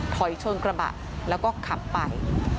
ถอยชนกระบะแล้วก็ขับไป